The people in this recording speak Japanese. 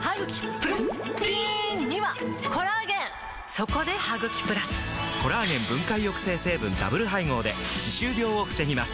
そこで「ハグキプラス」！コラーゲン分解抑制成分ダブル配合で歯周病を防ぎます